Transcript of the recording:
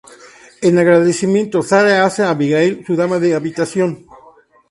En agradecimiento, Sarah hace a Abigail su dama de habitación.